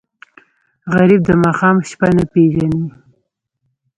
غریب د ماښام شپه نه پېژني